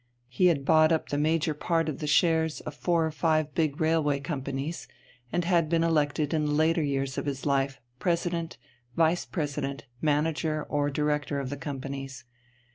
He had bought up the major part of the shares of four or five big railway companies, and had been elected in the later years of his life president, vice president, manager, or director of the companies.